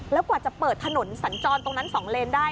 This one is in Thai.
แล้วกว่าจะเปิดถนนสัญจรตรงนั้น๒เลนได้